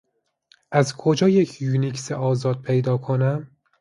از کجا یک یونیکس آزاد پیدا کنم؟